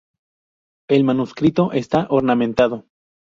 El manuscrito está ornamentado.